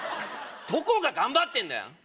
どこが頑張ってんだよ